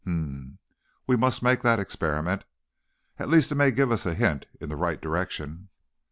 "H'm. We must make the experiment. At least it may give us a hint in the right direction."